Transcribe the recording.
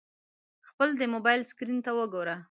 خپل د موبایل سکرین ته وګوره !